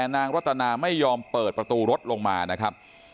นางรัตนาไม่ยอมเปิดประตูรถลงมานะครับ